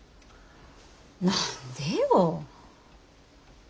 何でよ。